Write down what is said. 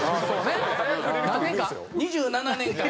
２７年間。